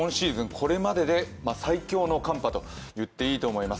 これまでで最強の寒波と言っていいと思います。